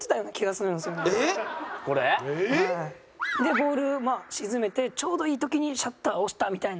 ボール沈めてちょうどいい時にシャッター押したみたいな。